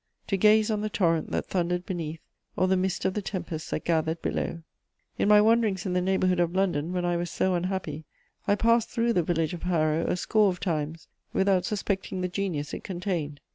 To gaze on the torrent that thunder'd beneath, Or the mist of the tempest that gather'd below. In my wanderings in the neighbourhood of London, when I was so unhappy, I passed through the village of Harrow a score of times, without suspecting the genius it contained.